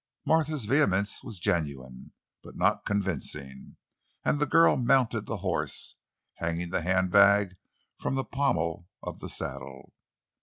Martha's vehemence was genuine, but not convincing; and the girl mounted the horse, hanging the handbag from the pommel of the saddle.